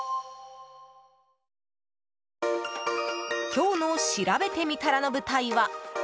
今日のしらべてみたらの舞台は。